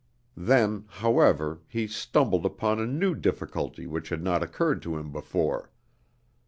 Then, however, he stumbled upon a new difficulty which had not occurred to him before.